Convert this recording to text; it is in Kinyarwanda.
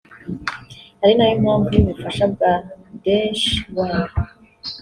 ari na yo mpamvu y’ubufasha bwa Deutshe Welle